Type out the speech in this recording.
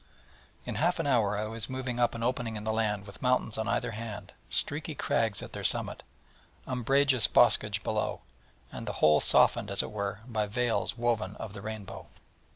In half an hour I was moving up an opening in the land with mountains on either hand, streaky crags at their summit, umbrageous boscage below; and the whole softened, as it were, by veils woven of the rainbow.